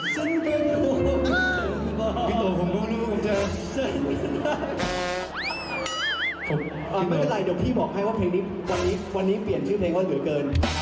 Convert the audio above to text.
ฉันก็คงต้องบอกฉันก็คงต้องรักเธอเหมือนเคย